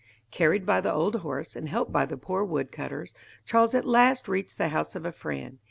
Carried by the old horse, and helped by the poor wood cutters, Charles at last reached the house of a friend.